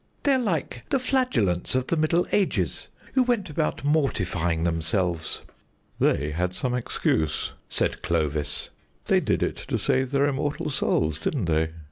"They're like the Flagellants of the Middle Ages, who went about mortifying themselves." "They had some excuse," said Clovis. "They did it to save their immortal souls, didn't they?